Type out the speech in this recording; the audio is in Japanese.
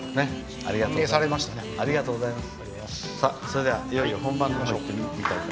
ありがとうございます。